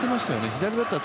左バッター